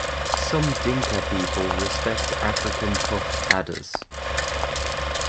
Some Dinka people respect African puff adders.